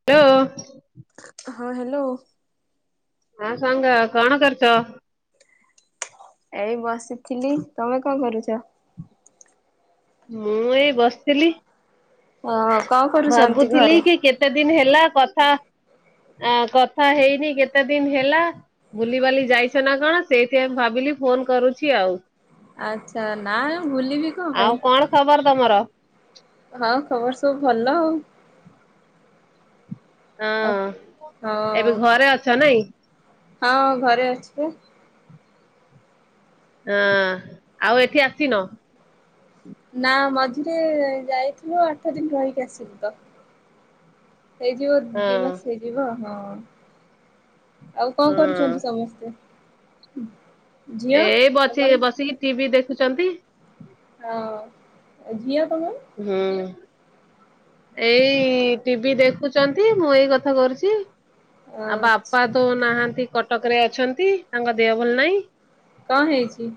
[unintelligible] ହଁ ହ୍ୟାଲୋ। ହଁ ସାଙ୍ଗ କଣ କରୁଚ? ଏଇ ବସିଥିଲି ତମେ କଣ କରୁଛ? ମୁଁ ଏଇ ବସିଥିଲି। ଓ କଣ କରୁଛନ୍ତି ଭାବୁଥିଲି ଘରେ? କି କେତେ ଦିନ ହେଲା କଥା ଆ କଥା ହେଇନି କେତେ ଦିନ ହେଲା ବୁଲିବାଲି ଯାଇଛ ନା କଣ ସେଇଥି ପାଇଁ ଭାବିଲି ଫୋନ୍ କରୁଛି ଆଉ। ଆଚ୍ଛା ନା ଭୁଲିବି କଣ ପାଇଁ? ଖବର ତମର। ହଁ ଖବର ସବୁ ଭଲ ଆଉ। ଆଉ ହଁ ଏବେ ଘରେ ଅଛ ନାଇଁ? ହଁ ଘରେ ଆଛି। ଅଁ ଆଉ ଏଠି ଆସିନ? ନା ମଝିରେ ଯାଇଥିଲୁ ଆଠ ଦିନ ରହିକି ଆସିଲୁ ତ। ଏଇଯିବ ହଁ ଦି ମାସ ହେଇଯିବ ହଁ। ଆଉ କଣ ହଁ କରୁଛନ୍ତି ସମସ୍ତେ? ଝିଅ ଏଇ ବଚି ତମର ବସିକି ଟିଭି ଦେଖୁଛନ୍ତି। ହଁ ଝିଅ ତମର। ହୁଁ। ଏଇ ଟିଭି ଦେଖୁଛନ୍ତି ମୁଁ ଏଇ କଥା କରୁଛି। ଆଉ ଆଚ୍ଛା। ବାପା ତ ନାହାନ୍ତି କଟକ ରେ ଅଛନ୍ତି ତାଙ୍କ ଦେହ ଭଲ ନାହିଁ। କଅଁ ହେଇଛି।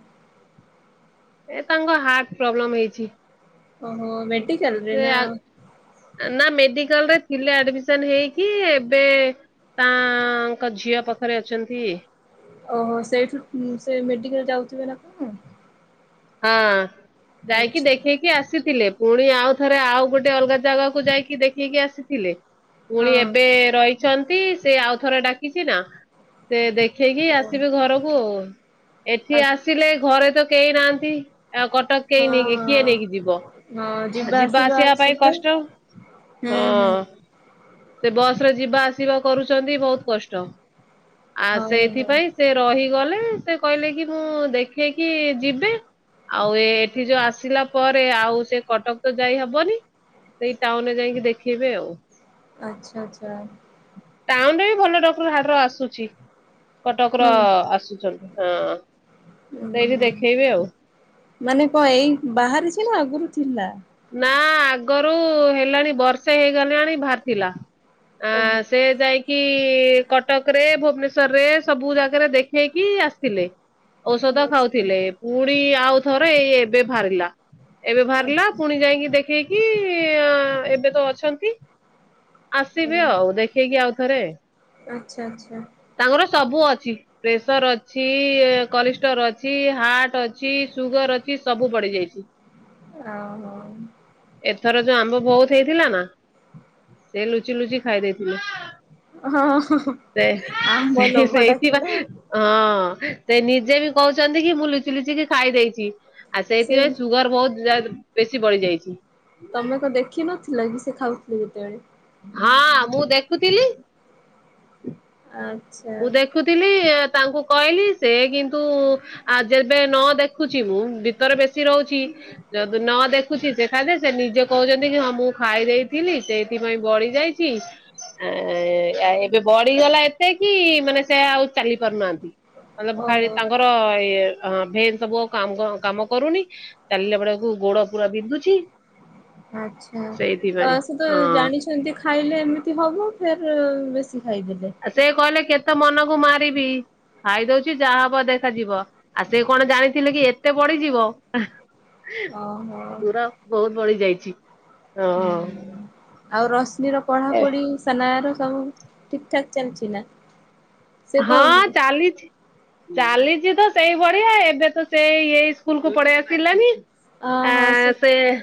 ଏ ତାଙ୍କ ହାର୍ଟ ପ୍ରୋବ୍ଲେମ୍ ହେଇଛି। ଓ ହୋ ମେଡ୍। ସେ ଆ ନା ମେଡିକାଲ ରେ ଥିଲେ ଆଡମିସ ହେଇକି ଏବେ। ତା ଆ ଙ୍କ ଝିଅ ପାଖରେ ଅଛନ୍ତି। ଓହୋ ସେଇଠୁ ମୁଁ ସେ ମେଡିକାଲ ଯାଉଥିବେ ନା କଣ। ହଁ ହଁ ଯାଇକି ଆଚ୍ଛା ଦେଖିକି। ସିଏ ଆସିଥିଲେ ପୁଣି ଆଉ ଥରେ ଆଉ ଗୋଟେ ଅଲଗା ଜାଗାକୁ ଯାଇକି ଦେଖେଇକି ଆସିଥିଲେ। ପୁଣି ଏବେ ହଁ ରହିଛନ୍ତି ସେ ଆଉଥରେ ଡାକିଛି ନା। ସେ ଦେଖେଇକି ଓ ଆସିବେ ଘରକୁ ଆଉ ଆ ଏଠି ଆସିଲେ ଘରେ ତ କେହି ନାହାନ୍ତି। ତି ଆଉ କଟକ। କିଏ ହଁ ନେଇକି କିଏ ହଁ ନେଇକି ଯିବ ଯିବା ଆସିବା ପାଇଁ କଷ୍ଟ। ହୁଁ ହୁଁ ହଁ ସେ ବସ୍ ରେ ଯିବା ଆସିବା କରୁଛନ୍ତି ବହୁତ କଷ୍ଟ ଆ ହଉ ହଉ ସେଇଥିପାଇଁ ସେ ରହିଗଲେ ସେ କହିଲେ କି ମୁଁ ଦେଖେଇକି ଯିବେ। ଆଉ ଏ ଏଠି ଯୋଉ ଆସିଲା ପରେ ଆଉ ସେ କଟକ ତ ଯାଇ ହବନି। ସେଇ ଟାଉନ ରେ ଯାଇକି ଦେଖେଇବେ ଆଉ! ଆଚ୍ଛା ଆଚ୍ଛା ଟାଉନ ରେ ବି ଭଲ ଡକ୍ଟର ହାଡ ଆସୁଛି। କଟକ ର ହଁ ଆସୁଛନ୍ତି ହଁ ଉଁ ସେଇଠି ହୁଁ ଦେଖେଇବେ ଆଉ! ମାନେ କଣ ଏଇ ବାହାରି ଥିଲା ଆଗରୁ ଥିଲା। ନା ଆଗରୁ ହେଲାଣି ବର୍ଷେ ହେଇଗଲିଣି ବାହାରି ଥିଲା। ଆ ଓହୋ ସେ ଯାଇକି କି କଟକରେ ଭୁବନେଶ୍ୱରରେ ସବୁ ଜାଗାରେ ଦେଖେଇକି ଆସିଥିଲେ। ଔଷଧ ଆଚ୍ଛା ଖାଉଥିଲେ ପୁଣି ଆଉ ଥରେ ଏଇ ଏବେ ବାହାରିଲା ଏବେ ବାହାରିଲା। ଆଚ୍ଛା ପୁଣି ଯାଇକି ଦେଖେଇକି ଏବେ ତ ଅଛନ୍ତି। ଓ ଆସିବେ ଆଉ ଦେଖେଇକି ଆଉଥରେ। ଆଚ୍ଛା ଆଚ୍ଛା ତାଙ୍କର ସବୁ ଅଛି। ପ୍ରେସର ଅଛି କଲେଷ୍ଟ୍ରଲ ଅଛି ହାର୍ଟ ଅଛି ସୁଗର ଅଛି ସବୁ ଵଢି ଯାଇଛି। ଓ ହୋ ଏଥର ଯୋଉ ଆମ୍ବ ବହୁତ ହେଇଥିଲା ନା ସେ ଲୁଚି ଲୁଚି ଖାଇ ଦେଇଥିଲେ। ହଁ ହଁ ସେ ଆମ୍ବ ସେ ଲୋଭ ସେଇଥି ବା ଡାକିଲା ଆଉ ହଁ ସେ ନିଜେ ବି କହୁଛନ୍ତି କି ମୁଁ ଲୁଚି ଲୁଚିିକ ଖାଇ ଦେଇଛି। ଆଉ ସେ ସେଇଥିପାଇଁ ସୁଗର ବହୁତ ବେଶୀ ବଢି ଯାଇଛି। ତମେ ତ ଦେଖିନଥିଲ କି ସେ ଖାଉଥିଲି ଯେତେବେଳେ। ହଁ ମୁଁ ଦେଖୁଥିଲି। [unintelligible] ମୁଁ ଦେଖୁଥିଲି ତାଙ୍କୁ କହିଲି ସେ କିନ୍ତୁ ଆଉ ଯେବେ ନ ଦେଖୁଛି ମୁଁ ଭିତରେ ବେଶୀ ରହୁଛି। ଯଦି ନ ଦେଖୁଛି ସେଖା ସେ ନିଜେ କହୁଛନ୍ତି କି ହଁ ମୁଁ ଖାଇ ଦେଇେଇଥିଲି ସେଇଥିପାଇଁ ବଢି ଯାଇଛି। କି ଏବେ ବଢିଗଲା ଏତେ କି ମାନେ ସେ ଆଉ ଚାଲି ପାରୁନାହାନ୍ତି ନହେଲେ ଭାରି ଓହୋ ତାଙ୍କ ର ଏ ଭେନ କାମ କାମ କରୁନି। ଚାଲିଲା ବେଳକୁ ଗୋଡ ପୁରା ବିନ୍ଧୁଛି। ଆଛା ସେଇଥିପାଇଁ। ତ ସେ ତ ହଁ ଜାଣିଛନ୍ତି ଖା ଖାଇଲେ ଏମିତି ହେବ ଫେର୍ ବେଶୀ ଖାଇଦେଲେ। ସେ କହିଲେ କେତେ ମନକୁ ମାରିବି। ଖାଇ ଦଉଛି ଯାହା ହବ ଦେଖାଯିବ ଆଉ ସେ କଣ ଜାଣିଥିଲେ କି ଏତେ ବଢିଯିବ। ଓହୋ ପୁରା ବହୁତ ବଢି ଯାଇଛି। ହଁ ଆଉ ରଶ୍ମିର ପଢାପଢି? ସନାୟା ସବୁ ଠିକ୍ ଠାକ୍ ଚାଲିଛି ନା? ସେ ହଁ କଣ ଚାଲିଛି। ଚାଲିଛି ତ ସେଇଭଳିିଆ ଏବେ ତ ସେଇ ଏଇ ସ୍କୁଲ କୁ ପଳେଇ ଆସିଲାନି। ଅ ହଁ ସେ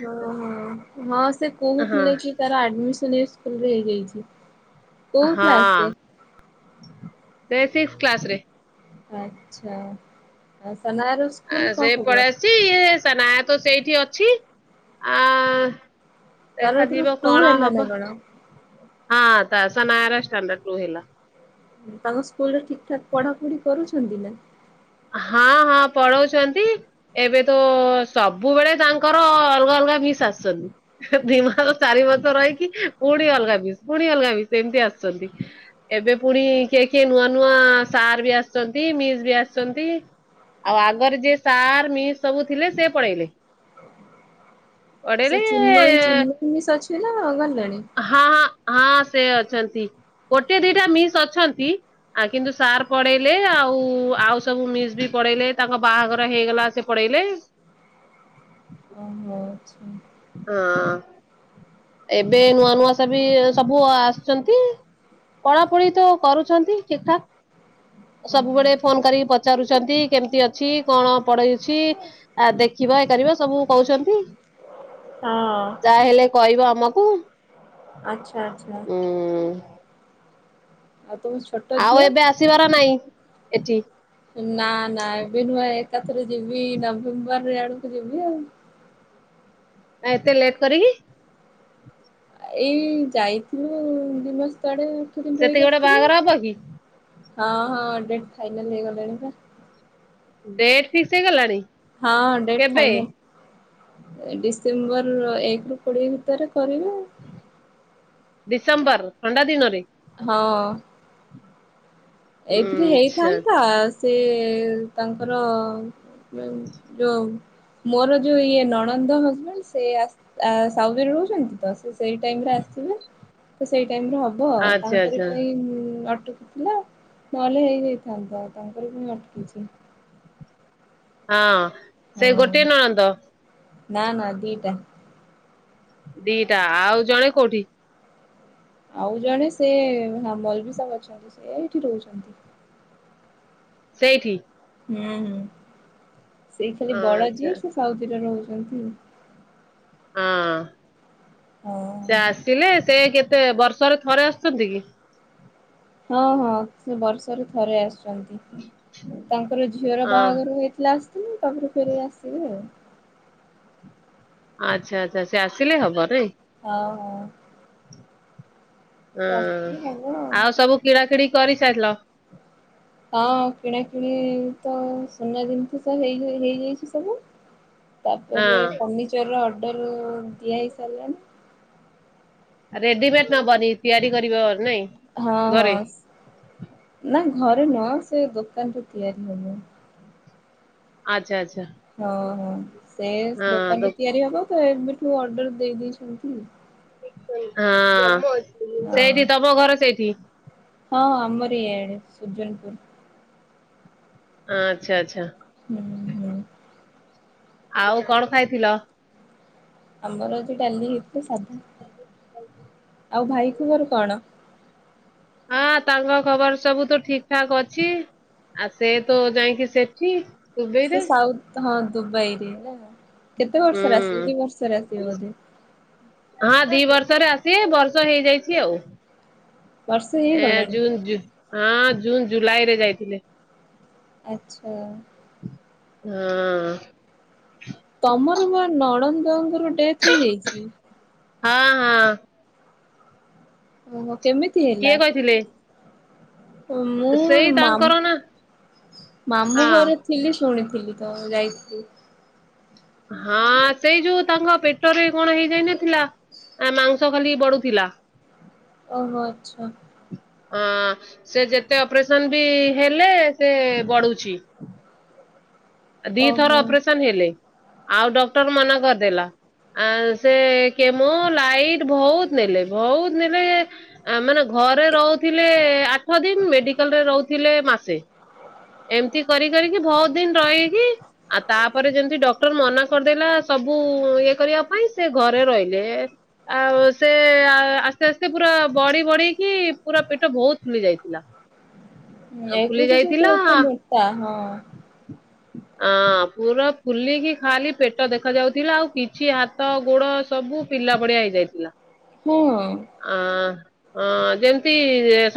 ହଁ ହଁ ହଁ ସେ ହଁ କହୁଥିଲେ କି ତାର ଆଡ଼ମିଶନ ଏ ସ୍କୁଲରେ ହେଇଯାଇଛି। କୋଉ ହଁ କ୍ଲାସରେ? ସେ ସିକ୍ସ କ୍ଲାସ ରେ। ଆଚ୍ଛା ଆ ସନାୟର ଆ ସେ ପଳେଇ ଆସିଛି ଇଏ ସନାୟତ ସେଇଠି ଅଛି ଆ ତାର ଏଥର ଦେଖାଯିବ ଟୁ କଣ ହେଲା ନା ହବ। କଣ? ହଁ ସନାୟା ର ଷ୍ଟାଣ୍ଡାଡା ଟୁ ହେଲା। ତାଙ୍କ ସ୍କୁଲରେ ଠିକ୍ ଠାକ ପଢାପଢି କରୁଛନ୍ତି ନା। ହଁ ହଁ ପଳଉଚନ୍ତି। ଏବେ ତ ସବୁବେଳେ ତାଙ୍କର ଅଲଗା ଅଲଗା ବିସ୍ ଆସୁନି। ଦିନ ଚାରି ବର୍ଷ ରହିକି। ପୁଣି ଅଲଗା ବିସ୍ ପୁଣି ଅଲଗା ବିସ୍ ଏମିତି ଆସୁଛନ୍ତି। ଏବେ ପୁଣି କିଏ କିଏ ନୂଆ ନୂଆ ସାର୍ ବି ଆସିଛନ୍ତି। ମିସ୍ ବି ଆସି ଛନ୍ତି ଆଉ ଆଗରେ ଯିଏ ସାର୍ ମିସ୍ ସବୁ ଥିଲେ। ସେ ପଳେଇଲେ। [unintelligible] ସେ ଚିନ୍ମୟୀ ପଳେଇଲେ ଚିନ୍ମୟୀ ମିସ୍ ଅଛି ନା ଗଲାଣି? ହଁ ହଁ ସେ ଅଛନ୍ତି। ଗୋଟେ ଦିଟା ମିସ୍ ଅଛନ୍ତି। କିନ୍ତୁ ସାର୍ ପଳେଇଲେ ଆଉ ଆଉ ସବୁ ମିସ୍ ବି ପଳେଇଲେ ତାଙ୍କ ବାହାଘର ହେଇଗଲା। ସେ ପଳେଇଲେ। ଓହୋ। ଆଚ୍ଛା। ହଁ ଏବେ ନୂଆ ନୂଆ ସ ବି ସବୁ ଆସିଛନ୍ତି। ପଢାପଢି ତ କରୁଛନ୍ତି ଠିକ ଠାକ। ଓହୋ ସବୁବେଳେ ଫୋନ କରିକି ପଚାରୁଛନ୍ତି। କେମିତି ଅଛି କଣ ପଢଉଛି। ଆ ଦେଖିବ ଏ କରିବ ସବୁ କହୁଛନ୍ତି। ହଁ। ଯାହାହେଲେ କହିବ ଆମକୁ। ଆଚ୍ଛା ଆଚ୍ଛା। ହୁଁ। ଆଉ ତମ ଛୋଟ ଆଉ ଝିଅ? ଏବେ ଆସିବାର ନାଇଁ ଏଠି। ନା ନା ଏବେ ନୁହେଁ। ଏକାଥରେ ଯିବି ନଭେମ୍ବର ରେ ଆଡକୁ ଯିବି ଆଉ ଆ ଏତେ ଲେଟ୍ କରିକି? ଏଇ ଯାଇଥିଲୁ ଦିଇ ମାସ ତଳେ ଆଠ ଦିନ ସେତିକି ରହିକି ଗୋଟେ ଆସିଥିଲି। ବାହାଘର ହବ କି? ହଁ, ହଁ ଡେଟ୍ ଫାଇନାଲ୍ ହେଇଗଲାଣି ପା। ଡେଟ୍ ଫିକ୍ସ ହେଇଗଲାଣି? ହଁ, ଡେଟ୍ କେବେ ଫାଇନାଲ୍। ଡିସେମ୍ବର ଏକ ରୁ କୋଡିଏ ଭିତରେ କରିବେ ଆଉ। ଡିସେମ୍ବର୍ ଥଣ୍ଡା ଦିନରେ? ହଁ। ଉଁ ଏଇଥିରେ ଆଚ୍ଛା ହେଇଥାନ୍ତା ଆସ୍ ସେ ତାଙ୍କର ଯଉ ଯଉ ମୋର ଯୋଉ ଇଏ ନଣନ୍ଦ ହବ, ସେ ଆସ୍ ଆ ସାଉଦିରେ ରହୁଛନ୍ତି ତ, ଶେଷ୍ ସେଇ ଟାଇମ୍ ରେ ଆସିବେ। ତ ସେଇ ଟାଇମ୍ ରେ ହବ ଆ, ଆଚ୍ଛା ତାଙ୍କରି ଆଚ୍ଛା ପାଇଁ ଅଟକୁ ଥିଲା। ନହେଲେ ହେଇଯାଇଥାନ୍ତା। ତାଙ୍କରି ପାଇଁ ଅଟକିଛି। ହଁ, ସେ ହଁ ଗୋଟିଏ ନଣନ୍ଦ? ନା, ନା, ଦିଇଟା। ଦି, ଟା ଆଉ ଜଣେ କୋଉଠି? ଆଉ ଜଣେ ସେ ସମ୍ବଲ ବି ସବ୍ ଅଛନ୍ତି। ସେ ଏଇଠି ରହୁଛନ୍ତି। ସେଇଠି? ହୁଁ, ହୁଁ। ସେଇ ଖାଲି ବଡ଼ ଆଚ୍ଛା ଯିଏ, ସେ ସାଉଦିରେ ରହୁଛନ୍ତି। ହଁ, ସେ ହଁ। ଆସିଲେ ସେ କେତେ ବର୍ଷରେ ଥରେ ଆସୁଛନ୍ତି କି? ହଁ, ହଁ ସେ ବର୍ଷରେ ଥରେ ଆସୁ ଛନ୍ତି। ତାଙ୍କର ଝିଅର ହଁ ବାହାଘର ହେଇଥିଲା ଆସିଥିଲେ। ତାପରେ ଫେରେ ଆସିବେ ଆଉ। ଆଚ୍ଛା, ଆଚ୍ଛା, ସେ ଆସିଲେ, ହବ ନାଇଁ? ହଉ, ହଉ। ହଁ, ଆସିଲେ ହବ ଆଉ ସବୁ କିଣା କିିଣି କରିସାରିଲ? ହଁ, କିଣାକିଣି ତ ସୁନା ଜିନିଷ ତ ହେଇ ହେଇଯାଇଛି ସବୁ। ତା'ପରେ ହଁ ଫର୍ଣ୍ଣିିଚର ର ଅର୍ଡ଼ର ଦିଆ ହେଇ ସାରିଲାଣି। ରେଡିମେଟ୍ ନବନି, ତିଆରି କରିବ ନାଇଁ। ହଁ, ଘରେ ହଁ, ନା ଘରେ ନୁହଁ। ସେ ଦୋକାନଠୁ ତିଆରି ହବ। ଆଚ୍ଛା, ଆଚ୍ଛା। ହଁ, ହଁ, ସେ ହଁ ଦୋ ଦୋକାନଠି ତିଆରି ହବ। ତ ଏବେଠୁ ଅର୍ଡର ଦେଇ ଦେଇଛନ୍ତି। ହଁ, ହଁ ସେଇଠି, ତମ ଘର ସେଇଠି। ହଁ, ଆମରି ଇଆଡେ, ସୁଜନପୁର। ଆଁଚ୍ଛା, ଆଚ୍ଛା। ହୁଁ, ହୁଁ। ଆଉ କଣ ଖାଇଥିଲ? ଆମର ସେଇ ଡାଲି ଇପି ସାଧା। ଆଉ ଭାଇ କୁ ମୋର କଣ? ହଁ, ତାଙ୍କ ଖବର ସବୁ ତ ଠିକ୍ ଠାକ୍ ଅଛି। ଆଉ, ସେ ତ ଯାଇଁକି ସେଠି। ଦୁବେଇରେ ସେ ସାଉଥ୍ ହଁ, ଦୁବାଇରେ ନା! କେତେ ହୁଁ। ବର୍ଷରେ ଆସିବେ, ଦି ବର୍ଷରେ ଆସିବେ ବୋଧେ? ହଁ, ଦି ବର୍ଷରେ ଆସିବେ। ବର୍ଷ ହେଇଯାଇଛି ଆଉ। ବର୍ଷେ ଏ ହେଇଗଲାଣି। ଜୁନ୍ ଜୁ ହଁ, ଜୁନ୍ ଜୁଲାଇ ରେ ଯାଇଥିଲେ। ଆଚ୍ଛା। ହଁ। ତମର ମ ନଣନ୍ଦଙ୍କର ଡେଥ୍ ହେଇଯାଇଛି! ହଁ, ହଁ। ଓହୋ! କେମିତି କିଏ ହେଲା? କହିଥିଲେ? ମୁଁ ସେଇ ତାଙ୍କର ମାମୁଁ ନା ମାମୁଁ ହଁ ଘରେଥି ଥିଲି ଶୁଣିଥିଲି ତ ଯାଇଥିଲି। ହଁ ସେଇ ଯୋଉ ତାଙ୍କ ପେଟରେ କଣ ହେଇଯାଇନଥିଲା। ଆ ମାଂଉସ ଖାଲି ବଢୁଥିଲା। ଓହୋ ଆଚ୍ଛା। ଅଁ ସେ ଯେତେ ଅପରେସନ ବି ହେଲେ ସେ ବଢୁଛି। ଦିଥର ଓହୋ। ଅପରେସନ୍ ହେଲେ ଆଉ ଡକ୍ଟର୍ ମନା କରିଦେଲା। ଆଁ ସେ କେମୋ ଲାଇଟ୍ ବୋହୁତ୍ ନେଲେ ବୋହୁତ୍ ନେଲେ। ଆ ମାନେ ଘରେ ରହୁଥିଲେ ଆଠ ଦିନ ମେଡିକାଲ ରେ ରହୁ ଥିଲେ ମାସେ ଏମିତି କରି କରିକି ଭଉତ୍ ଦିନ୍ ରହିକି ଆଉ ତାପରେ ଯେମିତି ଡକ୍ଟର୍ ମନା କରିଦେଲା ସବୁ ଇଏ କରିବା ପାଇଁ ସେ ଘରେ ରହିଲେ। ଆଉ ସେ ଆସ୍ତେ ଆସ୍ତେ ପୁରା ବଢି ବଢେଇକି ପୁରା ପେଟ ବୋହୁତ୍ ଫୁଲି ଯାଇଥିଲା। ଆ ଫୁଲି ଯାଇଥିଲା। ତା ହଁ। ଆଁ ପୁରା ଫୁଲିକି ଖାଲି ପେଟ ଦେଖା ଯାଉଥିଲା ଆଉ କିଛି ହାତ ଗୋଡ ସବୁ ପିଲା ଭଳିଆ ହେଇଯାଇଥିଲା। ହୁଁ। ଆଁ। ହଁ ଯେମ୍ତି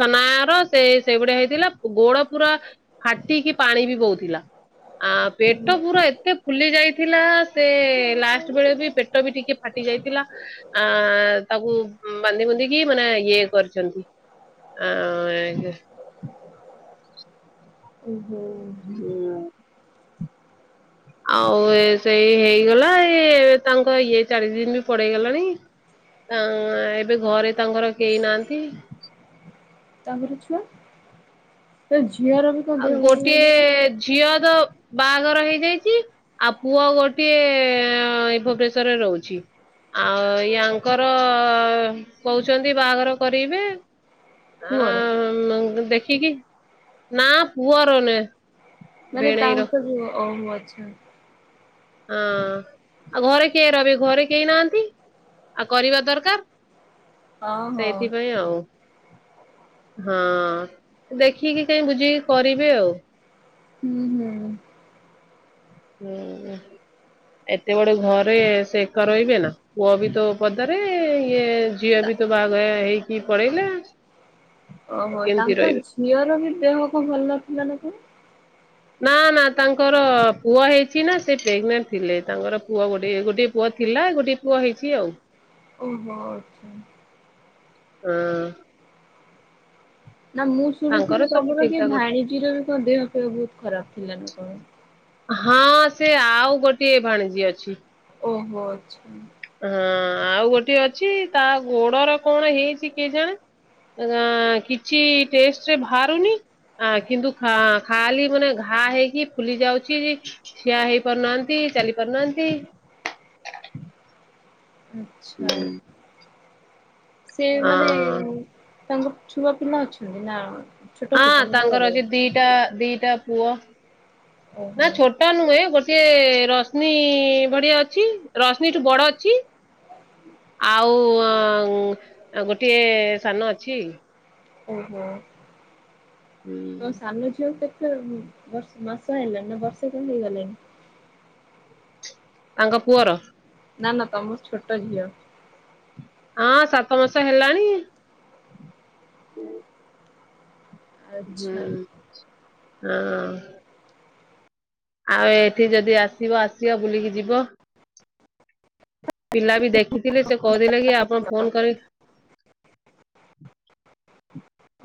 ସନାହର ସେଇ ସେଇ ଭଳିଆ ହେଇଥିଲା ଗୋଡ ପୁରା ଫାଟିକି ପାଣି ବି ବୋହୁଥିଲା ଆ ପେଟ ଓହୋ ପୁରା ଏତେ ଫୁଲି ଯାଇଥିଲା ସେ ଲାଷ୍ଟ୍ ବେଳେ ବି ପେଟ ବି ଟିକେ ଫାଟି ଯାଇଥିଲା। ଆଁ ତାକୁ ବାନ୍ଧି ବୁନ୍ଧିକି ମାନେ ଇଏ କରିଚନ୍ତି। ଆଁ ଏକେ ଉଁ ହୁଁ। ହୁଁ। ଆଉ ଏ ସେଇ ହେଇଗଲା ଏ ତାଙ୍କ ଇଏ ଚାଳିଶି ଦିନ ବି ପଲେଇଗଲାଣି। ନାଁ ଏବେ ଘରେ ତାଙ୍କର କେହି ନାହାନ୍ତି। ତାଙ୍କର ଛୁଆ ସେ ଝିଅର କଣ ଆଉ ଦେହ ଭଲ ନାହିଁ ଗୋଟିଏ ନା କଣ ଝିଅ ତ ବାହାଘର ହେଇଯାଇଚି। ଆଉ ପୁଅ ଗୋଟିଏ ଭୁବନେଶ୍ଵରରେ ରହୁଚି। ଆଉ ୟାଙ୍କର କୋହୁଛନ୍ତି ବାହାଘର କରେଇବେ। ପୁଅର? ଆଁ ଦେଖିକି ନା ପୁଅର ନୁହେଁ। ମାନେ ଭିଣେଇର ତାଙ୍କ ବି ଅଫ୍ ଅଛି। ହଁ ଆଉ ଘରେ କିଏ ରହିବେ ଘରେ କେହି ନାହାନ୍ତି ଆଉ କରିବା ଦରକାର୍। ଓହୋ ସେଇଥିପାଇଁ ଆଉ। ହଁ ଦେଖିକି କାଇଁ ବୁଝିକି କରିବେ ଆଉ। ହୁଁ ହୁଁ। ହୁଁ ଏତେ ବଡେ ଘରେ ସେ ରହିବେ ନା? ପୁଅ ବି ତୋ ପଦରେ ଇଏ ଝିଅ ତା ବି ତ ବାହାଘ ହେଇକି ପଳେଇଲେ। ଓହୋ ତାଙ୍କ ଝିଅର ବି ଦେହକୁ ଭଲ ଥିଲା ନା କଣ? ନା ନା ତାଙ୍କର ପୁଅ ହେଇଛି ନା ସେ ପ୍ରେଗନଣ୍ଟ ଥିଲେ ତାଙ୍କର ପୁଅ ଗୋଟେ ଗୋଟିଏ ପୁଅ ଥିଲା ଗୋଟେ ପୁଅ ହେଇଚି ଆଉ। ଓହୋ। ହଁ। ନା ମୁଁ ତାଙ୍କର ଶୁଣିଥିଲି ସବୁ ତମର ଠିକ କିଏ ଠାକ ଅଛି। ଭାଣିଜୀର ବି କଣ ଦେହ ଫେହ ବହୁତ୍ ଖରାପ ଥିଲା ନା କଣ। ହଁ ସେ ଆଉ ଗୋଟିଏ ଭାଣିଜୀ ଅଛି। ଓହୋ ଅଛ ହଁ ଆଉ ଗୋଟିଏ ଅଛି ତା ଗୋଡର କଣ ହେଇଛି କେଜାଣେ। ଏ ଗାଁ କିଛି ଟେଷ୍ଟରେ ଭାରୁନି। ଆଁ କିନ୍ତୁ ଖାଁ ଖାଲି ମାନେ ଘା ହେଇକି ଫୁଲି ଯାଉଛି ଯେ ଠିଆ ହେଇ ପାରୁନାହାନ୍ତି ଚାଲି ପାରୁନାହାନ୍ତି। ଆଚ୍ଛା। ସେ ଆ ମାନେ ତାଙ୍କ ଛୁଆ ପିଲା ଅଛନ୍ତି ନା। ଛୋଟ ଛୋଟ ଆଁ ନା ବଡ ତାଙ୍କର ବଡ ଅଛି ଦିଟା ଦିଟା ପୁଅ ନା ଓହୋ ଛୋଟ ଟା ନୁହେଁ ଗୋଟେ ରଶ୍ମି ଭଢିଆ ଅଛି ରଶ୍ମିଠୁ ବଡ ଅଛି। ଆଉ ଅଂଗ ଗୋଟିଏ ସାନ ଅଛି। ଓହୋ ତା ସାନ ଝିଅକୁ କେତେ ବର୍ଷ ମାସ ହେଲାଣି ନା ବର୍ଷେ କଣ ହେଇଗଲେଣି ତାଙ୍କ ପୁଅର। ନା ନା ତମ ଛୋଟ ଝିଅ। ହଁ ସାତ ମାସ ହେଲାଣି। ହୁଁ ଆଚ୍ଛା ହଁ। ଆଉ ଏଠି ଯଦି ଆସିବ ଆସିବା ବୁଲିକି ଯିବ। ପିଲା ବି ଦେଖିଥିଲି ସେ କରିଲେ କି ଆପଣ ଫୋନ କରି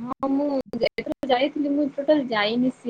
ହଁ ମୁଁ [inaudible] ଯାଇଥିଲି ମୁଁ ଟୋଟାଲ ଯାଇନି ସିଏ